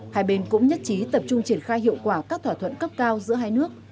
hai bên cũng nhất trí tập trung triển khai hiệu quả các thỏa thuận cấp cao giữa hai nước